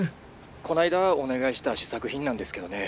☎こないだお願いした試作品なんですけどね